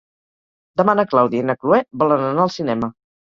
Demà na Clàudia i na Cloè volen anar al cinema.